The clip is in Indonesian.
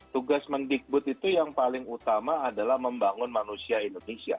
tugas mendikbud itu yang paling utama adalah membangun manusia indonesia